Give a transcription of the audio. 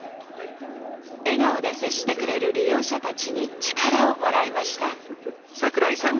笑顔で接してくれる利用者たちに力をもらいました。